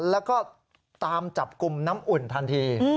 แล้วก็ตามจับกลุ่มน้ำอุ่นทันที